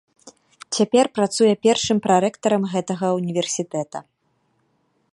Цяпер працуе першым прарэктарам гэтага ўніверсітэта.